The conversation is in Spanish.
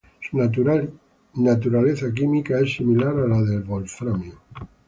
Su naturaleza química es similar a la del wolframio.